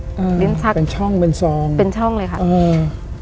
ลิ้นชักเป็นช่องเป็นซองเป็นช่องเลยค่ะอืม